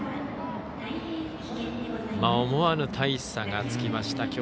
思わぬ大差がつきました